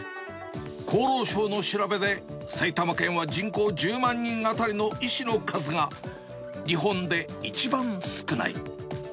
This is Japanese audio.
厚労省の調べて、埼玉県は人口１０万人当たりの医師の数が、日本で一番少ない。